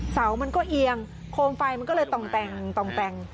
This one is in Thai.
เสามันก็เอียงโคมไฟมันก็เลยต่องแต่ง